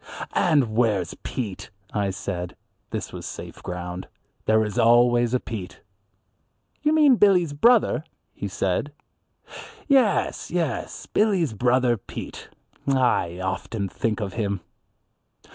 "And where's Pete?" I said. This was safe ground. There is always a Pete. "You mean Billy's brother," he said. "Yes, yes, Billy's brother Pete. I often think of him."